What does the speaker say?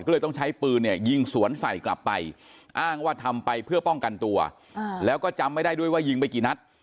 ก็เลยต้องใช้ปืนเนี่ยยิงสวนใส่กลับไปอ้างว่าทำไปเพื่อป้องกันตัวแล้วก็จำไม่ได้ด้วยว่ายิงไปกี่นัด